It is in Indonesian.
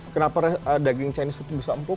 kenapa daging chinese itu bisa empuk